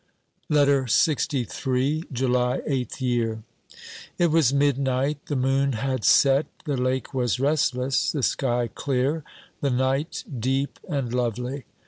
LETTER LXIII /ufy {Eighth Year). It was midnight ; the moon had set, the lake was rest less, the sky clear, the night deep and lovely.